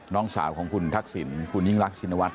น้องสาวของคุณทักษิณคุณยิ่งรักชินวัฒ